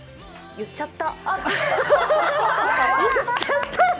言っちゃった！